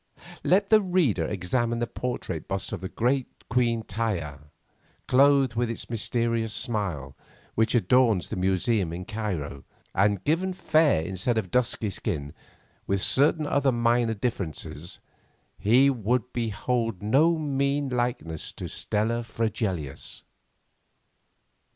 Let the reader examine the portrait bust of the great Queen Taia, clothed with its mysterious smile, which adorns the museum in Cairo, and, given fair instead of dusky skin, with certain other minor differences, he will behold no mean likeness to Stella Fregelius.